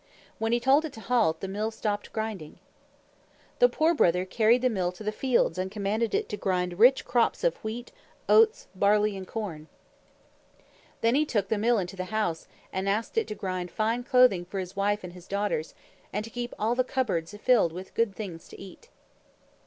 When he told it to halt, the Mill stopped grinding. The Poor Brother carried the Mill to the fields and commanded it to grind rich crops of wheat, oats, barley, and corn. Then he took the Mill into the house and asked it to grind fine clothing for his wife and his daughters, and to keep all the cupboards filled with good things to eat.